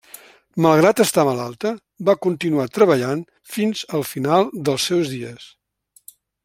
Malgrat estar malalta, va continuar treballant fins al final dels seus dies.